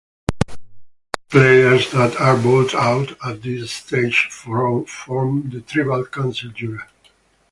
Most players that are voted out at this stage form the "Tribal Council Jury".